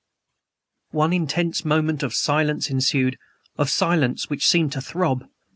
One intense moment of silence ensued of silence which seemed to throb.